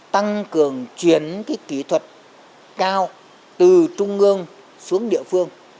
tăng cường chuyển kỹ thuật cao từ trung ương xuống địa phương